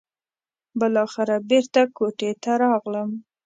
بالاخره بېرته کوټې ته راغلم.